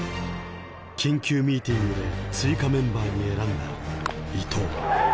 緊急ミーティングで追加メンバーに選んだ伊藤。